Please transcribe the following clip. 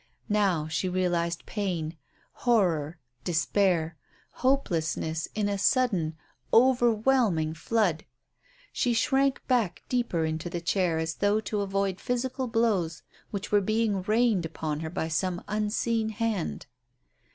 Now she realized pain, horror, despair, hopelessness in a sudden, overwhelming flood. She shrank back deeper into the chair as though to avoid physical blows which were being rained upon her by some unseen hand.